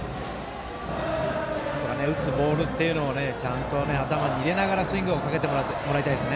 あとは打つボールをちゃんと頭に入れながらスイングをかけてもらいたいです。